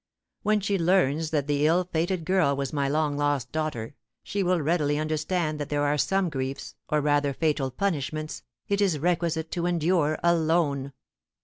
When she learns that the ill fated girl was my long lost daughter, she will readily understand that there are some griefs, or rather fatal punishments, it is requisite to endure alone."